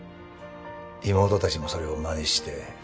妹たちもそれをまねして。